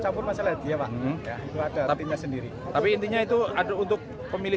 campur masalah dia pak ya itu ada tapi dia sendiri tapi intinya itu ada untuk pemilih